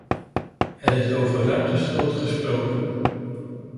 Er is over ruimteschroot gesproken.